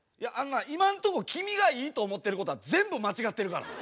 今んとこ君がいいと思ってることは全部間違ってるからな。